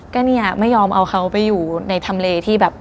ก็เนี่ยไม่ยอมเอาเขาไปอยู่ในทำเลที่แบบ